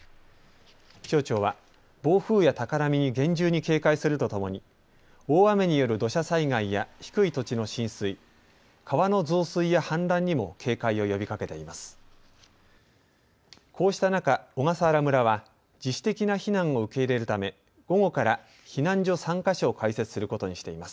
気象庁は暴風や高波に厳重に警戒するとともに大雨による土砂災害や低い土地の浸水、川の増水や氾濫にも警戒を呼びかけています。